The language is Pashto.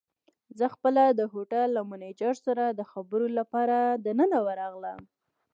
زه خپله د هوټل له مېنېجر سره د خبرو لپاره دننه ورغلم.